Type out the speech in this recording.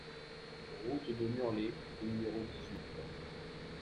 Route de Nurlet au numéro dix-huit